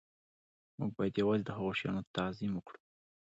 موږ باید یوازې د هغو شیانو تعظیم وکړو